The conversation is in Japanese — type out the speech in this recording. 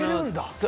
そう。